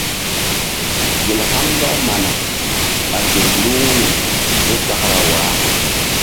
Gel haŋ ndɔk mana ɓa gel lu wu̧y ke sakra waah.